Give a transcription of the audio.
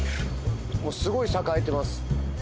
すごい栄えてます